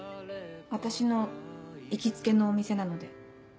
私の行きつけのお店なので。